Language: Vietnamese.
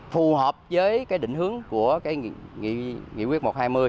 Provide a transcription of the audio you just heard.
phù hợp với cái định hướng của nghị quyết một trăm hai mươi